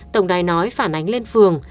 tổng đài nói phản ánh lên phường